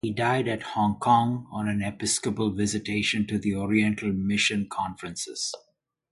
He died at Hong Kong, on an episcopal visitation to the Oriental mission conferences.